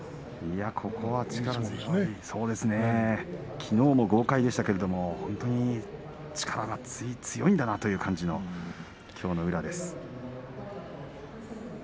きのうも豪快でしたけど本当に力が強いんだなという感じのきょうの宇良です。